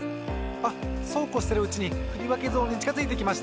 あっそうこうしてるうちにふりわけゾーンにちかづいてきました。